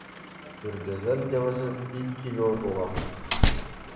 Пӳрчӗсем те вӗсен ик кил урлӑ.